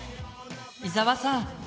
伊沢さん